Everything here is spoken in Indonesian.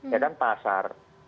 ya kan pasar